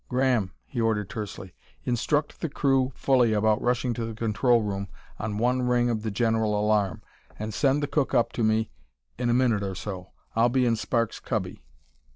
"Graham," he ordered tersely, "instruct the crew fully about rushing to the control room on one ring of the general alarm. And send the cook up to me in a minute or so. I'll be in Sparks' cubby."